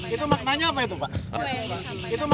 itu maknanya apa itu pak